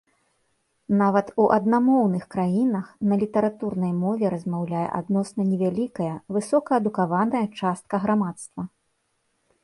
Нават у аднамоўных краінах на літаратурнай мове размаўляе адносна невялікая, высокаадукаваная частка грамадства.